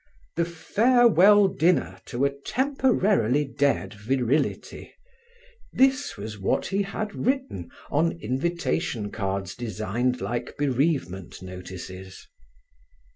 The farewell dinner to a temporarily dead virility this was what he had written on invitation cards designed like bereavement notices.